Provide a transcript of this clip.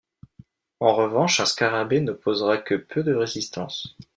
En revanche, un scarabée n'opposera que peu de résistance.